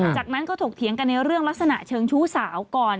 จากนั้นก็ถกเถียงกันในเรื่องลักษณะเชิงชู้สาวก่อน